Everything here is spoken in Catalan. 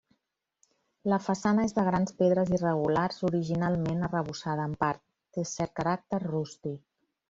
La façana és de grans pedres irregulars, originalment arrebossada en part; té cert caràcter rústic.